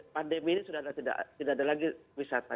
pandemi ini sudah tidak ada lagi wisata